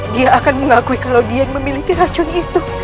dia akan mengakui kalau dia yang memiliki racun itu